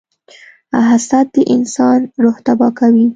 • حسد د انسان روح تباه کوي.